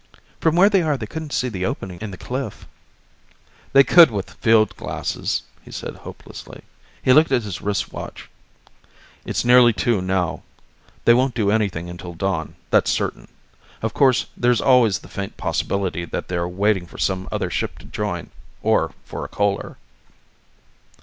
From where they are they couldn't see the opening in the cliff." "They could with field glasses," he said hopelessly. He looked at his wrist watch. "It's nearly two now. They won't do anything until dawn, that's certain. Of course there's always the faint possibility that they're waiting for some other ship to join; or for a coaler."